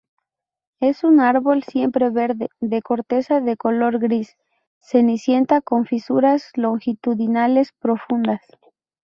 Es un árbol siempreverde, de corteza de color gris cenicienta con fisuras longitudinales profundas.